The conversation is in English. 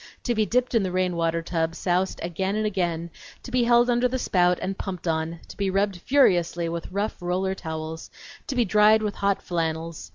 To be dipped in the rain water tub, soused again and again; to be held under the spout and pumped on; to be rubbed furiously with rough roller towels; to be dried with hot flannels!